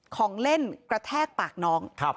ของเล่นกระแทกปากน้อง